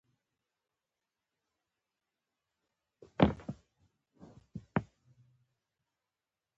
د جيب خرڅ روپۍ چې يې راکولې.